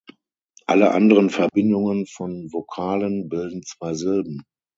Alle anderen Verbindungen von Vokalen bilden zwei Silben.